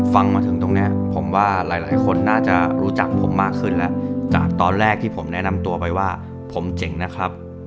ฟังมาถึงตรงนี้ผมว่าหลายคนน่าจะรู้จักผมมากขึ้นแล้วจากตอนแรกที่ผมแนะนำตัวไปว่าผมเจ๋งนะครับ